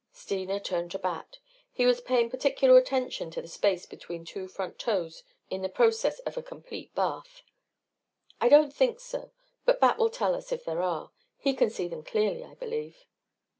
Steena turned to Bat. He was paying particular attention to the space between two front toes in the process of a complete bath. "I don't think so. But Bat will tell us if there are. He can see them clearly, I believe."